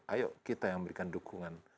ayo kita yang memberikan dukungan